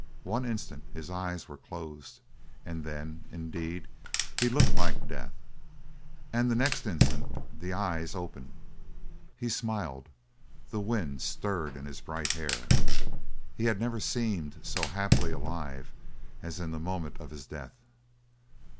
One instant his eyes were closed, and then, indeed, he looked like death; the next instant the eyes open, he smiled, the wind stirred in his bright hair. He had never seemed so happily alive as in the moment of his death.